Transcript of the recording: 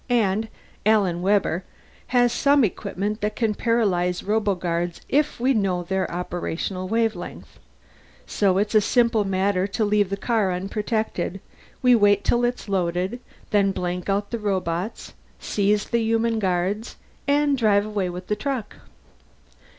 And Al Webber has some equipment that can paralyze roboguards if we know their operational wavelength. So it's a simple matter to leave the car unprotected; we wait till it's loaded, then blank out the robots, seize the human guards, and drive away with the truck."